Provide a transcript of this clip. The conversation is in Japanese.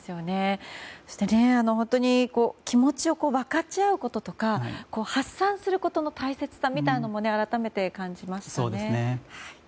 そして、本当に気持ちを分かち合うこととか発散することの大切さみたいなものも改めて感じましたね。